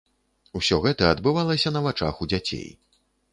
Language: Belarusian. Усё гэта адбывалася на вачах у дзяцей.